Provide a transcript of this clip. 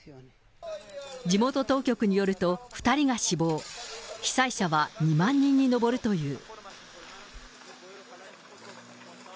地元当局によると、２人が死亡、被災者は２万人に上るという。